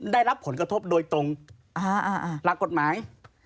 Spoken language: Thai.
ได้รับผลกระทบโดยตรงหลักกฎหมาย